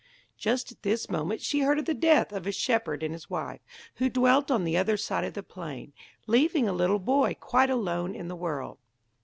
Just at this moment she heard of the death of a shepherd and his wife, who dwelt on the other side of the plain, leaving a little boy quite alone in the world.